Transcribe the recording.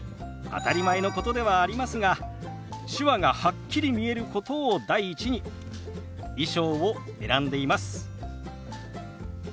当たり前のことではありますが手話がはっきり見えることを第一に衣装を選んでいます。